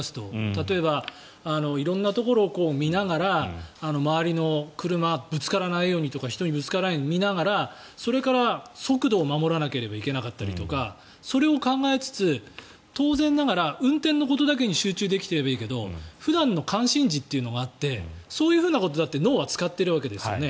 例えば色んなところを見ながら周りの車ぶつからないようにとか人にぶつからないように見ながらそれから速度を守らなければいけなかったりとかそれを考えつつ、当然ながら運転することにだけ集中できていればいいけど普段の関心事というのがあってそういうことだって脳を使っているわけですよね。